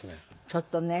ちょっとね。